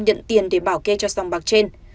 nhận tiền để bảo kê cho dòng bạc trên